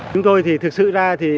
chúng tôi thì thực sự ra thì